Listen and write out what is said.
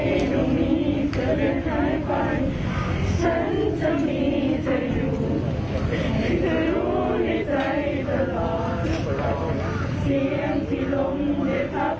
ที่เธอรู้ในใจตลอด